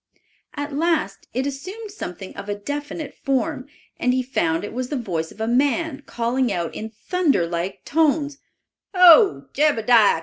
At last it assumed something of a definite form, and he found it was the voice of a man calling out in thunder like tones, "Ho, Jebediah!